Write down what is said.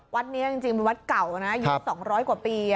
วัดนี้เป็นวัดเก่ายืด๒๐๐กว่าปี